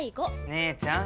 姉ちゃん！